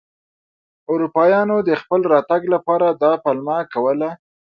اروپایانو د خپل راتګ لپاره دا پلمه کوله.